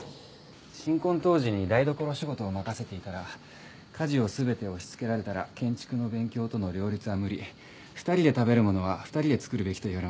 新婚当時に台所仕事を任せていたら「家事を全て押しつけられたら建築の勉強との両立は無理」「２人で食べるものは２人で作るべき」と言われまして。